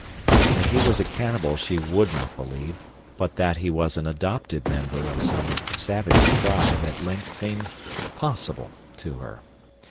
That he was a cannibal she would not believe, but that he was an adopted member of some savage tribe at length seemed possible to her.